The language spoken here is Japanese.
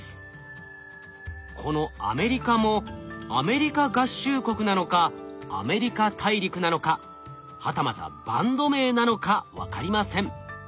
この「アメリカ」もアメリカ合衆国なのかアメリカ大陸なのかはたまたバンド名なのか分かりません。